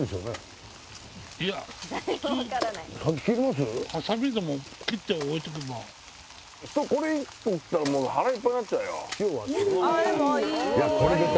いや普通これ１本食ったらもう腹いっぱいになっちゃうよ